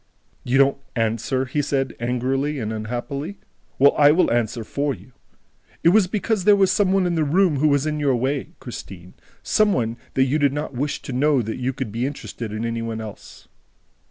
"You don't answer!" he said angrily and unhappily. "Well, I will answer for you. It was because there was some one in the room who was in your way, Christine, some one that you did not wish to know that you could be interested in any one else!"